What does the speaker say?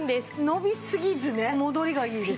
伸びすぎずね戻りがいいです。